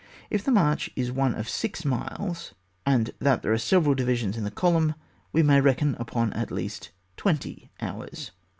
If the march is one of six miles, and that there are several divisions in the column, we may reckon upon at least twenty hours.